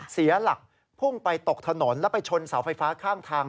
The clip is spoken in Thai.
เสียหลักพุ่งไปตกถนนแล้วไปชนเสาไฟฟ้าข้างทาง